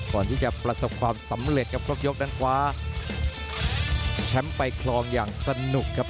ก่อนที่จะประสบความสำเร็จครับครบยกนั้นคว้าแชมป์ไปคลองอย่างสนุกครับ